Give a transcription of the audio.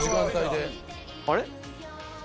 あれ？